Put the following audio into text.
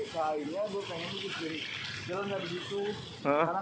pengennya gue pengen di jalan dari situ